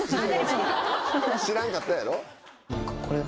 知らんかったやろ？